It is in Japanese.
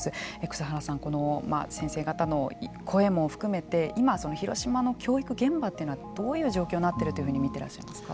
草原さん先生方の声も含めて今広島の教育現場というのはどういう状況になっていると見ていらっしゃいますか。